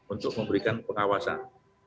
untuk memberikan pengawasan